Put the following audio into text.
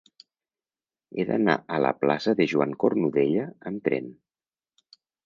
He d'anar a la plaça de Joan Cornudella amb tren.